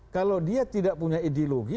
kalau dia tidak punya ideologi